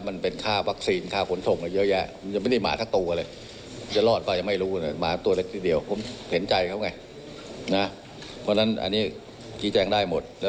ผลเอกกับนุคพร้อมท่าก็เลี้ยงสุนัขอยู่แล้ว